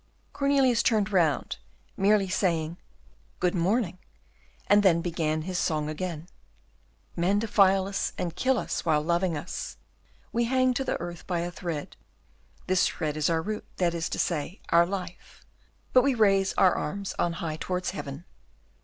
Cornelius turned round, merely saying, "Good morning," and then began his song again: "Men defile us and kill us while loving us, We hang to the earth by a thread; This thread is our root, that is to say, our life, But we raise on high our arms towards heaven."